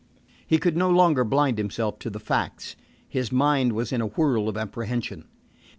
He could no longer blind himself to the facts. His mind was in a whirl of apprehension.